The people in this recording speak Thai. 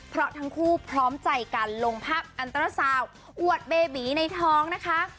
เพราะทั้งคู่พร้อมใจกันลงภาพอันตราซาวอวดเบบีในท้องนะคะ